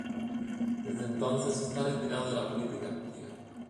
Desde entonces está retirado de la política activa.